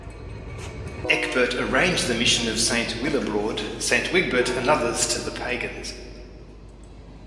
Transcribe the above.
Ecgberht arranged the mission of Saint Willibrord, Saint Wigbert and others to the pagans.